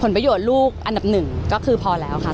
ผลประโยชน์ลูกอันดับหนึ่งก็พอแหละค่ะ